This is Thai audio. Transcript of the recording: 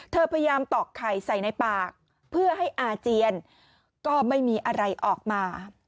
เธอพยายามตอกไข่ใส่ในปากเพื่อให้อาเจียนก็ไม่มีอะไรออกมา